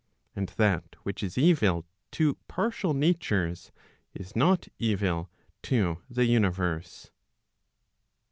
And that which is evil to partial natures, is not evil to the universe.